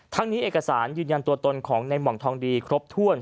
ทั้งนี้เอกสารยืนยันตัวตนของในหม่องทองดีครบถ้วน